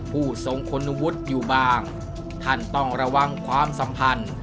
ผู้ทรงคุณวุฒิอยู่บ้างท่านต้องระวังความสัมพันธ์